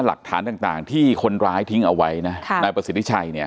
หลักฐานต่างที่คนร้ายทิ้งเอาไว้นะนายประสิทธิชัยเนี่ย